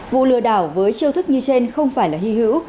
vụ lừa đảo với chiêu thức như trên không phải là hy hữu